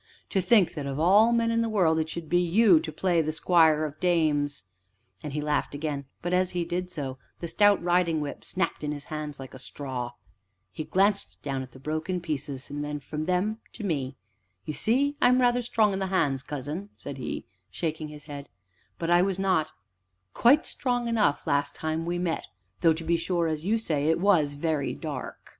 To think that of all men in the world it should be you to play the squire of dames!" And he laughed again, but, as he did so, the stout riding whip snapped in his hands like a straw. He glanced down at the broken pieces, and from them to me. "You see, I am rather strong in the hands, cousin," said he, shaking his head, "but I was not quite strong enough, last time we met, though, to be sure, as you say, it was very dark.